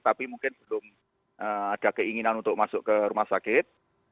tapi mungkin belum ada keinginan untuk masuk ke rumah sakit